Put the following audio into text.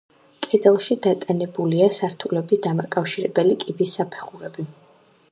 კედელში დატანებულია სართულების დამაკავშირებელი კიბის საფეხურები.